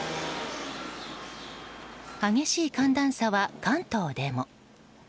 激しい寒暖差は関東でも。